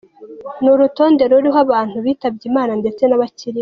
Ni urutonde ruriho abantu bitabye Imana ndetse n’abakiriho.